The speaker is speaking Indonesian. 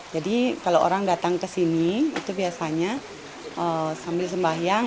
jadi kalau orang datang ke sini itu biasanya sambil sembahyang